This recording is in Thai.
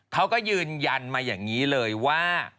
เขาก็ยืนยันมาอย่างนี้เลยว่า